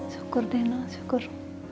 syukur deh no syukur